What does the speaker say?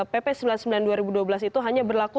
pp sembilan puluh sembilan dua ribu dua belas itu hanya berlaku